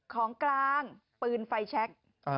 ของกลางปืนไฟแชค